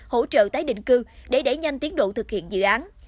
hỗ trợ tái định cư để đẩy nhanh tiến độ thực hiện dự án